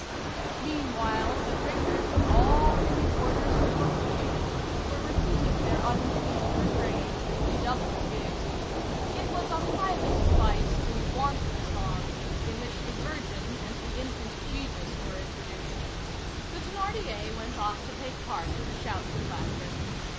Meanwhile, the drinkers, all three quarters intoxicated, were repeating their unclean refrain with redoubled gayety; it was a highly spiced and wanton song, in which the Virgin and the infant Jesus were introduced. The Thénardier went off to take part in the shouts of laughter.